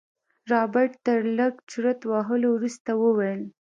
رابرټ تر لږ چورت وهلو وروسته وويل.